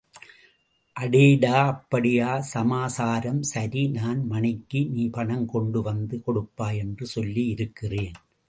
அடடே அப்படியா சமாசாரம்.... சரி நான் மணிக்கு நீ பணம் கொண்டு வந்து கொடுப்பாய் என்று சொல்லி இருக்கிறேன்.